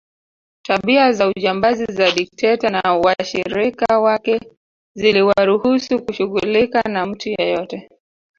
Tabia za ujambazi za dikteta na washirika wake ziliwaruhusu kushughulika na mtu yeyote